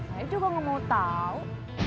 saya juga gak mau tau